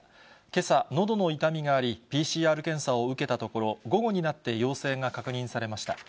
けさ、のどの痛みがあり、ＰＣＲ検査を受けたところ、午後になって陽性が確認されました。